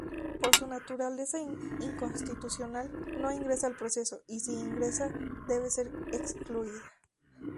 Por su naturaleza inconstitucional, no ingresa al proceso y si ingresa, debe ser excluida.